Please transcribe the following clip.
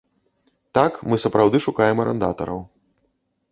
Так, мы сапраўды шукаем арандатараў.